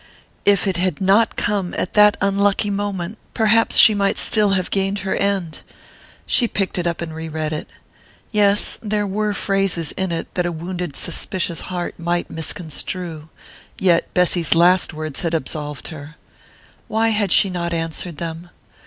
If it had not come at that unlucky moment perhaps she might still have gained her end.... She picked it up and re read it. Yes there were phrases in it that a wounded suspicious heart might misconstrue.... Yet Bessy's last words had absolved her.... Why had she not answered them?